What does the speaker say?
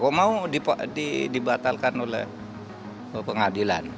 kok mau dibatalkan oleh pengadilan